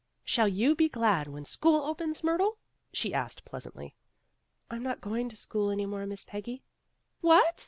"Shall you be glad when school opens, Myrtle?" she asked pleasantly. "I'm not going to school any more, Miss Peggy." "What!